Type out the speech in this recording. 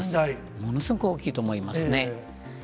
ものすごく大きいと思いますね。